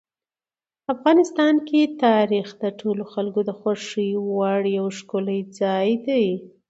افغانستان کې تاریخ د ټولو خلکو د خوښې وړ یو ښکلی ځای دی.